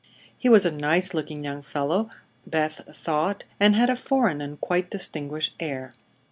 He was a nice looking young fellow, Beth thought, and had a foreign and quite distinguished air.